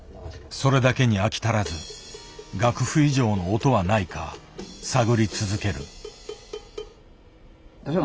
それだけに飽き足らず楽譜以上の音はないか探り続ける。